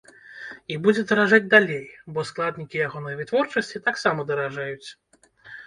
І будзе даражэць далей, бо складнікі ягонай вытворчасці таксама даражэюць.